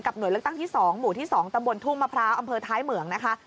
หน่วยเลือกตั้งที่๒หมู่ที่๒ตำบลทุ่งมะพร้าวอำเภอท้ายเหมืองนะคะ